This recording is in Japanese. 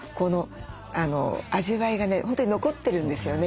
本当に残ってるんですよね